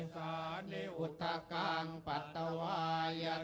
สานิอุทธกังปัตตวายทาง